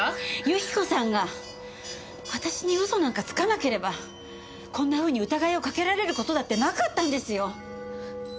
由紀子さんが私に嘘なんかつかなければこんなふうに疑いをかけられる事だってなかったんですよ！